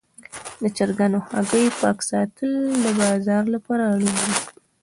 د چرګانو هګۍ پاک ساتل د بازار لپاره اړین دي.